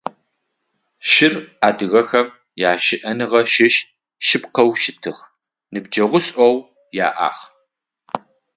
Шыр адыгэхэм ящыӏэныгъэ щыщ шъыпкъэу щытыгъ, ныбджэгъушӏоу яӏагъ.